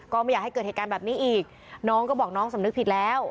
ก็ไม่อยากให้เกิดเหตุการณ์แบบนี้อีกน้องก็บอกน้องสำนึกผิดแล้ว